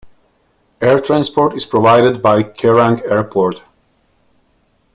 Air transport is provided by Kerang Airport.